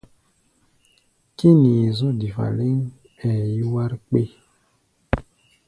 Kínii zɔ̧́ difa lɛ́ŋ, ɓɛɛ yúwár kpé.